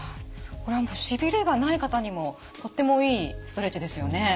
これはしびれがない方にもとってもいいストレッチですよね。